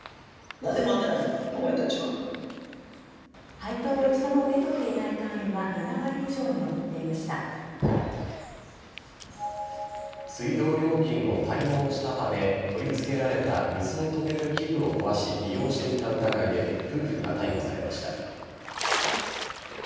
配当を一度も受け取っていない会員は水道料金を滞納したため取り付けられた水を止める器具を壊し利用していた疑いで夫婦が逮捕されました。